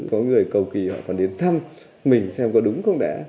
có người cầu kỳ họ còn đến thăm mình xem có đúng không đã